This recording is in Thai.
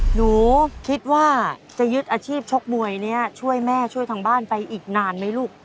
หนูคิดว่าจะยึดอาชีพชกมวยนี้ช่วยแม่ช่วยทางบ้านไปอีกนานไหมลูก